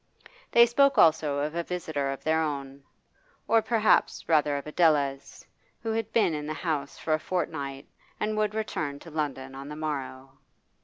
They spoke also of a visitor of their own, or, perhaps, rather of Adela's, who had been in the house for a fortnight and would return to London on the morrow.